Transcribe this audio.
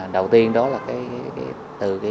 đầu tiên đó là từ